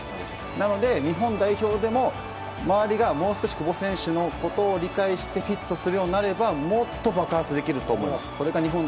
なので、日本代表でも周りがもう少し久保選手のことを理解してフィットするようになればもっと爆発できると思います。